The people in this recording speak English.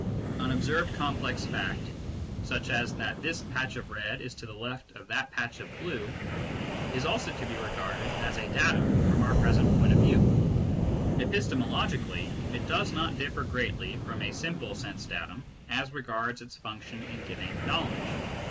An observed complex fact, such as that this patch of red is to the left of that patch of blue, is also to be regarded as a datum from our present point of view : epistemologically, it does not differ greatly from a simple sense datum as regards its function in giving knowledge.